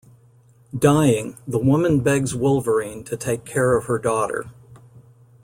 Dying, the woman begs Wolverine to take care of her daughter.